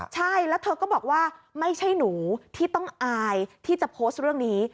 ใช่แล้วเธอก็บอกว่าไม่ใช่หนูที่ต้องอายที่จะโพสต์เรื่องนี้